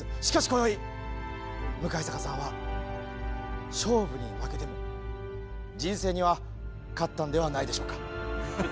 しかし今宵向坂さんは勝負には負けても人生には勝ったんではないでしょうか。